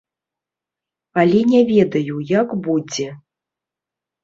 Але не ведаю, як будзе.